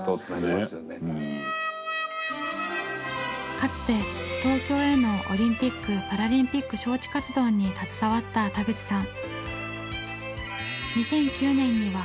かつて東京へのオリンピック・パラリンピック招致活動に携わった田口さん。